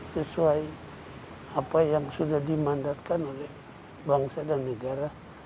sesuai apa yang sudah dimandatkan oleh bangsa dan negara